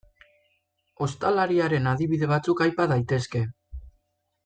Ostalariaren adibide batzuk aipa daitezke.